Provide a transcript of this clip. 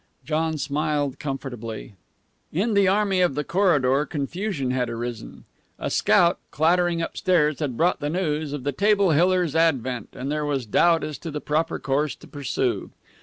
John smiled comfortably. In the army of the corridor confusion had arisen. A scout, clattering upstairs, had brought the news of the Table Hillites' advent, and there was doubt as to the proper course to pursue.